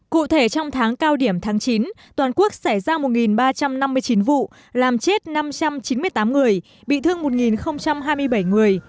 cụ thể trong tháng cao điểm tháng chín toàn quốc xảy ra một ba trăm năm mươi chín vụ làm chết năm trăm chín mươi tám người bị thương một hai mươi bảy người